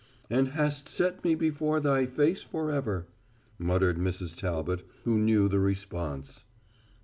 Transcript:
"And hast set me before Thy face forever," muttered Mrs. Talbot, who knew the response.